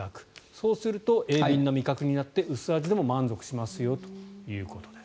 そうすると鋭敏な味覚になって薄味でも満足しますよということです。